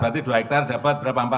berarti dua hektare dapat berapa empat